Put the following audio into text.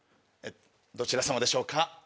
どちら様でしょうか？